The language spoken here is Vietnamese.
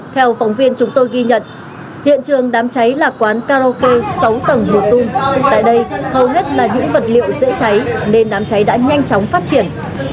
theo phóng viên chúng tôi ghi nhận hiện trường đám cháy là quán karaoke sáu tầng hồ tung tại đây hầu hết là những vật liệu dễ cháy nên đám cháy đã nhanh chóng phát triển